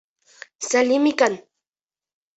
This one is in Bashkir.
Сәлим икән.